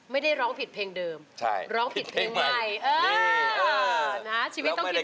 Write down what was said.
ไม่ได้ร้องผิดเพลงเดิมร้องผิดเพลงใหม่เออนะฮะชีวิตต้องคิดบวกนี่เออ